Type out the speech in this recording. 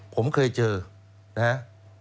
ผมเคยเจอนะฮะ